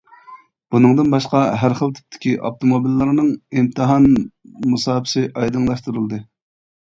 بۇنىڭدىن باشقا، ھەر خىل تىپتىكى ئاپتوموبىللارنىڭ ئىمتىھان مۇساپىسى ئايدىڭلاشتۇرۇلدى.